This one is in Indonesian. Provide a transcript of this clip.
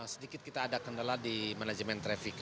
sedikit kita ada kendala di manajemen traffic